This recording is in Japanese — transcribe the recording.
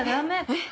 えっ？